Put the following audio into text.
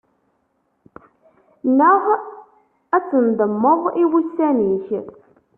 Neɣ ad tendemmeḍ i wussan-ik.